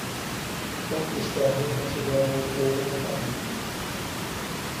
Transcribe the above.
Outros servos mantiveram o fogo nos narguilés.